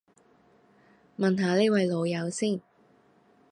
問下呢位老友先